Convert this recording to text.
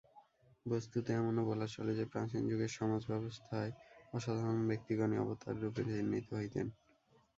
বস্তুত এমনও বলা চলে যে, প্রাচীনযুগের সমাজ-ব্যবস্থায় অসাধারণ ব্যক্তিগণই অবতাররূপে চিহ্নিত হইতেন।